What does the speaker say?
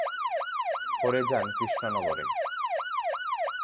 পরে যান কৃষ্ণনগরে।